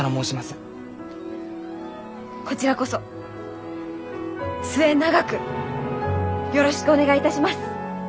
こちらこそ末永くよろしくお願いいたします！